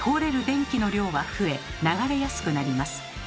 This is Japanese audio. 電気の量は増え流れやすくなります。